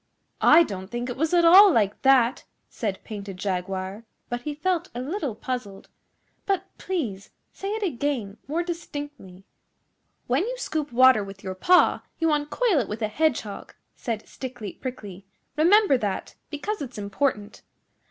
'I don't think it was at all like that,' said Painted Jaguar, but he felt a little puzzled; 'but, please, say it again more distinctly.' 'When you scoop water with your paw you uncoil it with a Hedgehog,' said Stickly Prickly. 'Remember that, because it's important.